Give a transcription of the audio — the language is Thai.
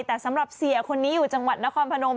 แต่สำหรับเสียคนนี้อยู่จังหวัดนครพนม